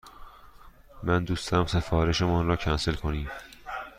ما دوست داریم سفارش مان را کنسل کنیم.